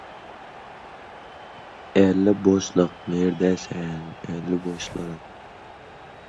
Kamerun mamlakati g‘arbiy mintaqasida qor yog‘di